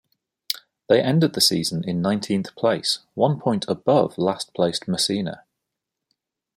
They ended the season in nineteenth place, one point above last-placed Messina.